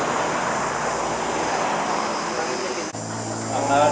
โรงพยาบาลโรงพยาบาล